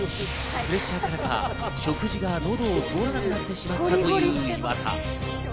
プレッシャーからか、食事が喉を通らなくなってしまったという岩田。